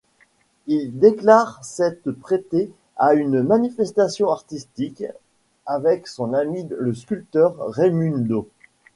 Il déclare s'être prêté à une manifestation artistique avec son ami le sculpteur Raimundo.